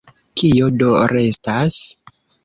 Kio do restas?